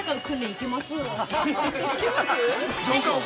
◆行けます？